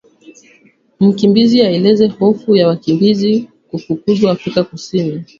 Mkimbizi aeleza hofu ya wakimbizi kufukuzwa Afrika Kusini